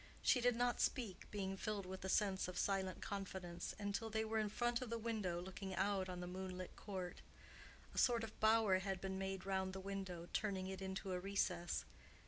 She did not speak, being filled with the sense of silent confidence, until they were in front of the window looking out on the moonlit court. A sort of bower had been made round the window, turning it into a recess.